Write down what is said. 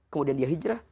kemudian dia hijrah